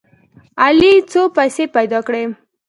علي څو پیسې پیدا کړې.